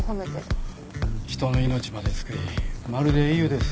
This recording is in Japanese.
人の命まで救いまるで英雄です。